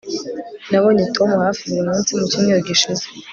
Nabonye Tom hafi buri munsi mucyumweru gishize